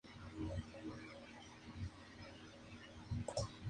Hedwig, la lechuza de Harry Potter, es un búho nival.